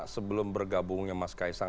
sebelum bergabungnya mas kaisang